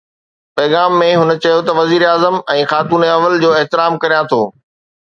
پيغام ۾ هن چيو ته وزيراعظم ۽ خاتون اول جو احترام ڪريان ٿو